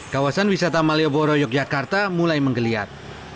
kawasan wisata malioboro yogyakarta mulai menggeliat